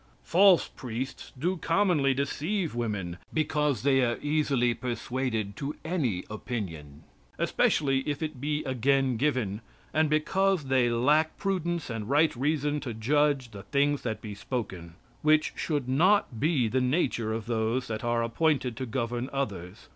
False priests do commonly deceive women, because they are easily persuaded to any opinion, especially if it be again given, and because they lack prudence and right reason to judge the things that be spoken; which should not be the nature of those that are appointed to govern others.